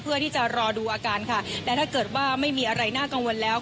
เพื่อที่จะรอดูอาการค่ะและถ้าเกิดว่าไม่มีอะไรน่ากังวลแล้ว